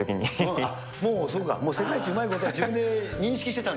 もうそうか、世界一うまいことは、自分で認識してたんだ。